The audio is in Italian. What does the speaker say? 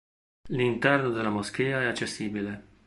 L'interno della moschea è accessibile.